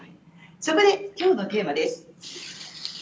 そこで今日のテーマです。